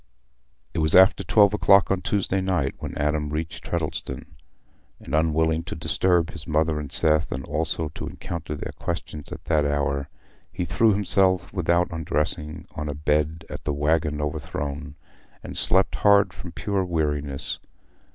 It was after twelve o'clock on Tuesday night when Adam reached Treddleston; and, unwilling to disturb his mother and Seth, and also to encounter their questions at that hour, he threw himself without undressing on a bed at the "Waggon Overthrown," and slept hard from pure weariness.